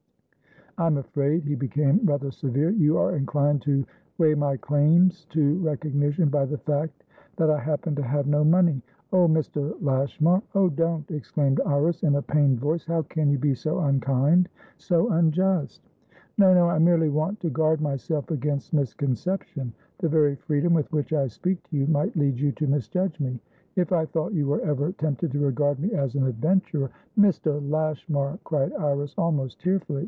I'm afraid" he became rather severe"you are inclined to weigh my claims to recognition by the fact that I happen to have no money" "Oh, Mr. Lashmar! Oh, don't!" exclaimed Iris, in a pained voice. "How can you be so unkindso unjust!" "No, no; I merely want to guard myself against misconception. The very freedom with which I speak to you might lead you to misjudge me. If I thought you were ever tempted to regard me as an adventurer" "Mr. Lashmar!" cried Iris, almost tearfully.